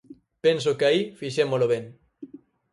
Penso que aí fixémolo ben.